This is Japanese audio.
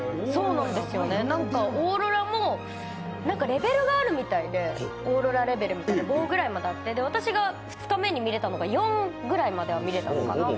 なんかオーロラもレベルがあるみたいでオーロラレベルみたいなのが５ぐらいまであって、私が２日目に見れたのが４ぐらいまでは見えたのかな。